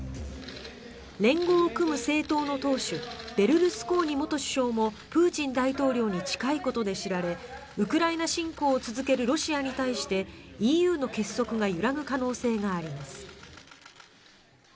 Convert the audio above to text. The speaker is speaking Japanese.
連合を組む政党の党首ベルルスコーニ元首相もプーチン大統領に近いことで知られウクライナ侵攻を続けるロシアに対してＥＵの結束が揺らぐ可能性があります。